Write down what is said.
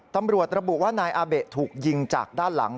ตำรวจระบุว่านายอาเบะถูกยิงจากด้านหลัง